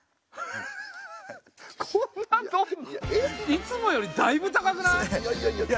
いつもよりだいぶ高くない？